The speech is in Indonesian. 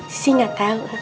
sissy gak tau